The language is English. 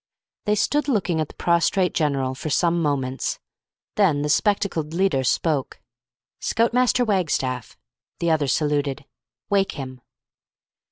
They stood looking at the prostrate general for some moments. Then the spectacled leader spoke. "Scout Master Wagstaff." The other saluted. "Wake him!"